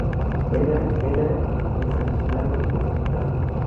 Bailaron excepcionalmente el tango.